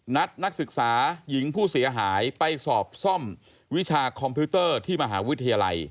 นักศึกษาหญิงผู้เสียหายไปสอบซ่อมวิชาคอมพิวเตอร์ที่มหาวิทยาลัย